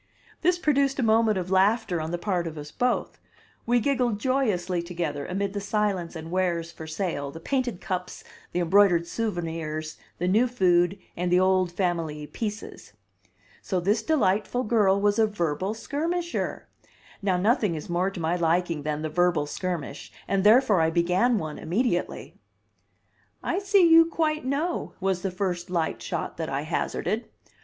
This produced a moment of laughter on the part of us both; we giggled joyously together amid the silence and wares for sale, the painted cups, the embroidered souvenirs, the new food, and the old family "pieces." So this delightful girl was a verbal skirmisher! Now nothing is more to my liking than the verbal skirmish, and therefore I began one immediately. "I see you quite know," was the first light shot that I hazarded.